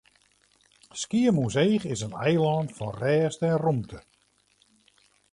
Skiermûntseach is in eilân fan rêst en rûmte.